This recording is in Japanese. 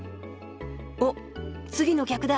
おっ次の客だ。